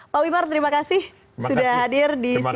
pak wimar terima kasih sudah hadir di studio